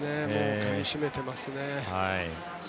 かみ締めてますね。